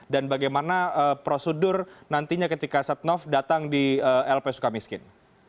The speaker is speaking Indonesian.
dan bagaimana prosedur nantinya ketika setnov datang di lp sukamiskin